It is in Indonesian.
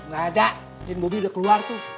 gak ada dan bobi udah keluar tuh